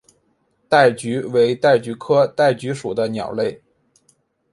戴菊为戴菊科戴菊属的鸟类。